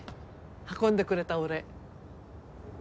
運んでくれたお礼。